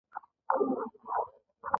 آیا او د یو اباد وطن لپاره نه ده؟